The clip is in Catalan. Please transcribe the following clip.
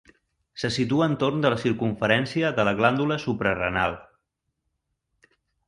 Se situa entorn de la circumferència de la glàndula suprarenal.